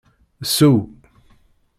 Sew!